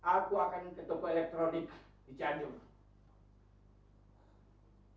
aku akan mengetuk elektronik di janjur